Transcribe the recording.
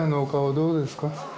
どうですか？